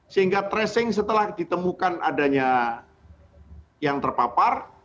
sehingga tracing setelah ditemukan adanya yang terpapar